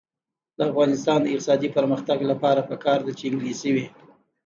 د افغانستان د اقتصادي پرمختګ لپاره پکار ده چې انګلیسي وي.